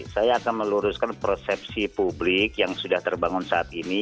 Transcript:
saya akan meluruskan persepsi publik yang sudah terbangun saat ini